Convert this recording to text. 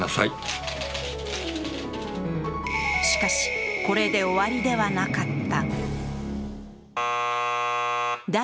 しかし、これで終わりではなかった。